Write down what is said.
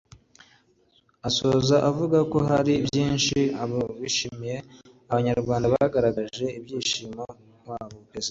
Asoza avuga ko hari benshi bishimira ibyo Abanyarwanda barangajwe imbere n’Umuyobozi wabo Perezida Paul Kagame bagezeho